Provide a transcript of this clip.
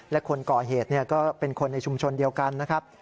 และคนก่อเหตุก็เป็นคนในชุมชนเดียวกันนะครับ